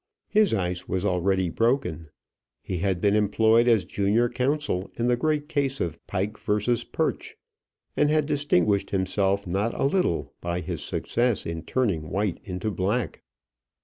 His ice was already broken: he had been employed as junior counsel in the great case of Pike v Perch; and had distinguished himself not a little by his success in turning white into black.